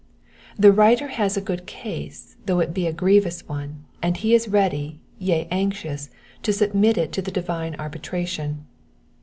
The writer has a good case, though it be a grievous one, and he is ready, yea anxious, to submit it to the •divine arbitration.